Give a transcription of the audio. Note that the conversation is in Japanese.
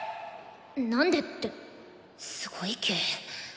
なんでってすごい毛。